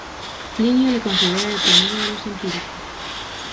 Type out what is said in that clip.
Plinio le considera el primero de los "Empíricos".